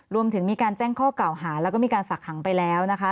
รวมถึงมีการแจ้งข้อกล่าวหาแล้วก็มีการฝักขังไปแล้วนะคะ